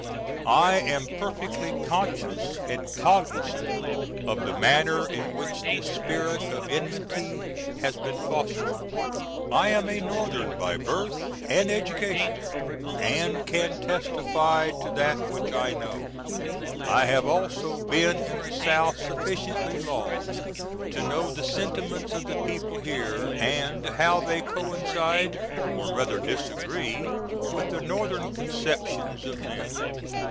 I am perfectly conscious and cognizant of the manner in which this spirit of enmity has been fostered. I am a Northern by birth and education, & can testify to that which I know. I have also been in the South sufficiently long to know the sentiments of the people here, and how they coincide (or rather disagree) with the Northern conceptions of them.